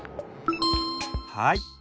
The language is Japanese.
はい。